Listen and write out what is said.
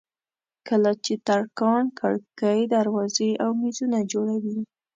کله چې ترکاڼ کړکۍ دروازې او مېزونه جوړوي.